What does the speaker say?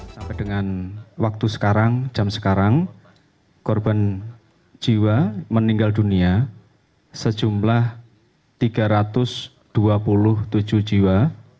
sampai dengan waktu sekarang jam sekarang korban jiwa meninggal dunia sejumlah tiga ratus dua puluh tujuh jiwa